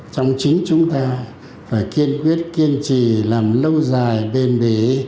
trong chính chúng ta phải kiên quyết kiên trì làm lâu dài bền bỉ